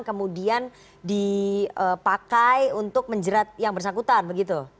kemudian dipakai untuk menjerat yang bersangkutan begitu